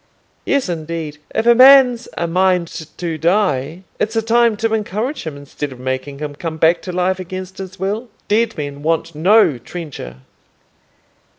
"Yes, indeed; if a man's a mind to die, it's a time to encourage him, instead of making him come back to life against his will. Dead men want no trencher."